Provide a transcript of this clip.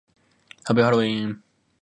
ハッピーハロウィン